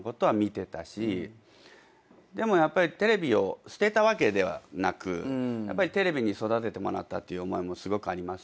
でもやっぱりテレビを捨てたわけではなくやっぱりテレビに育ててもらったっていう思いもすごくありますし。